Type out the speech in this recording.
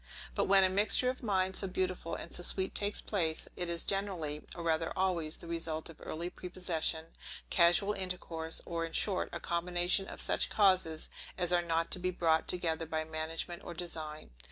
But when a mixture of minds so beautiful and so sweet takes place, it is generally, or rather always the result of early prepossession, casual intercourse, or in short, a combination of such causes as are not to be brought together by management or design.